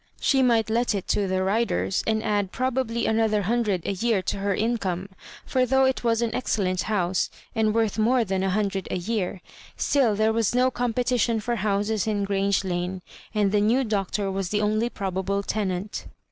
She might let it to the Riders, and add probably another hundred a year to her income ; for though it was an excellent house* and worth more than a hundred a year, gtill there was no competition tor houses in Grange Lane, and the new Doctor was the only probable tenant.